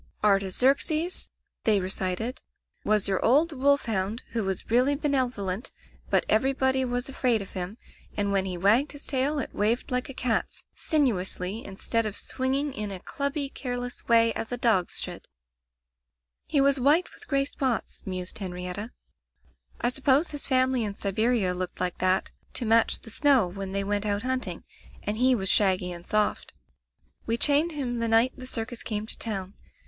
'* "Artaxerxes," they recited, "was your old wolf hound who was really benevolent, but everybody was afraid of him, and when he wagged his tail it waved like a cat's, sin uously, instead of swinging in a clubby, care less way, as a dog's should/' "He was white with gray spots," mused Henrietta; "I suppose his family in Siberia looked like that to match the snow when they went out hunting, and he was shaggy and soft "We chained him the night the circus came to town.